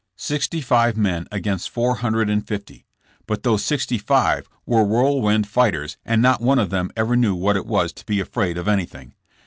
Sixty five men against four hundred and fifty, but those sixty five were whirlwind fight ers and not one of them ever knew what it was to be afraid of anything.